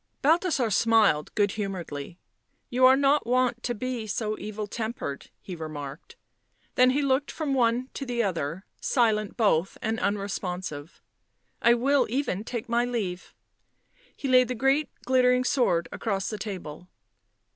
Balthasar smiled good humouredly. u You are not wont to be so evil tempered," he remarked. Then he looked from one to the other ; silent both and unresponsive. " I will even take my leave," he laid the great glittering sword across the table.